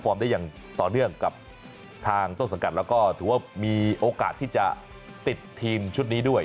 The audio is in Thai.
ได้อย่างต่อเนื่องกับทางต้นสังกัดแล้วก็ถือว่ามีโอกาสที่จะติดทีมชุดนี้ด้วย